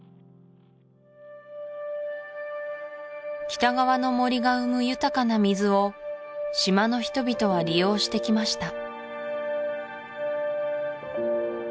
北側の森が生む豊かな水を島の人々は利用してきました